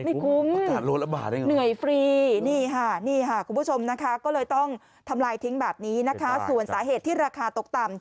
ไม่คุ้มเนื่อยฟรีนี่ค่ะคุณผู้ชมนะคะก็เลยต้องทำลายทิ้งแบบนี้นะคะส่วนสาเหตุที่ราคาตกต่ำ